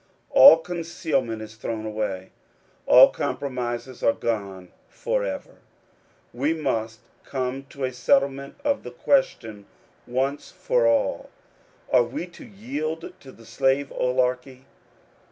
All concealment is thrown away. All compromises are gone forever. We must come to a settlement of Uie question once for all. Are we to yield to the slave oligarchy